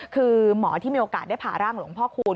คือหมอที่มีโอกาสได้ผ่าร่างหลวงพ่อคูณ